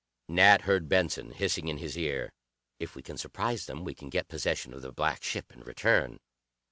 Nat heard Benson hissing in his ear, "If we can surprise them, we can get possession of the black ship and return."